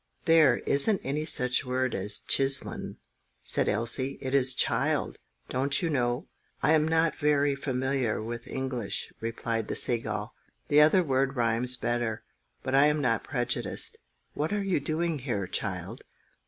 "There isn't any such word as 'chisland!'" said Elsie. "It is 'child,' don't you know?" "I am not very familiar with English," replied the sea gull. "The other word rhymes better; but I am not prejudiced. What are you doing here, child?"